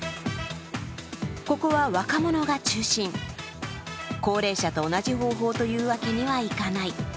ここは若者が中心、高齢者と同じ方法というわけにはいかない。